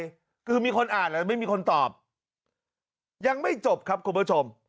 คือมีคนอ่านแล้วไม่มีคนตอบยังไม่จบครับคุณผู้ชม